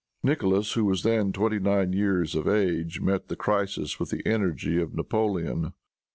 Nicholas, who was then twenty nine years of age, met the crisis with the energy of Napoleon.